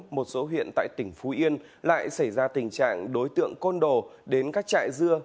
một số huyện tại tỉnh phú yên lại xảy ra tình trạng đối tượng côn đồ đến các trại dưa